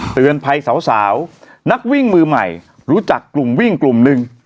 เตือนภัยสาวนักวิ่งมือใหม่รู้จักกลุ่มวิ่งกลุ่มหนึ่ง